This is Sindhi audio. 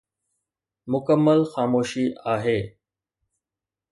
مڪمل خاموشي آهي.